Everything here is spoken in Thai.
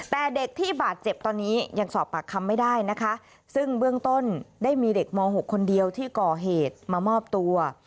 แต่เด็กที่บาดเจ็บตอนนี้ยังสอบปากคำไม่ได้นะคะซึ่งเบื้องต้นได้มีเด็กม๖คนเดียวที่ก่อเหตุมามอบตัว